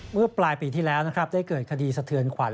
เมื่อปลายปีที่แล้วนะครับได้เกิดคดีสะเทือนขวัญ